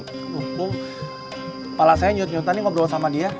bung kepala saya nyurut nyurutan nih ngobrol sama dia